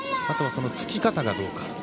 あとは、つき方がどうか。